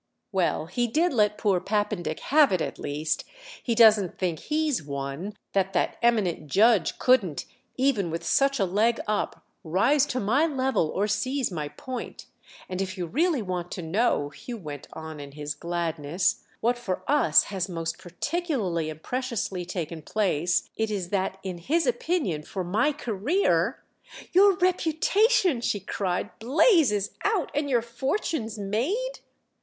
"Well, he did let poor Pappendick have it at least he doesn't think he's one: that that eminent judge couldn't, even with such a leg up, rise to my level or seize my point. And if you really want to know," Hugh went on in his gladness, "what for us has most particularly and preciously taken place, it is that in his opinion, for my career—" "Your reputation," she cried, "blazes out and your fortune's made?"